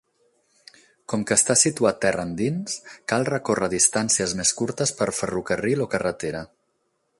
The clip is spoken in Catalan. Com que està situat terra endins, cal recórrer distàncies més curtes per ferrocarril o carretera.